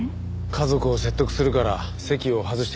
家族を説得するから席を外してくれって。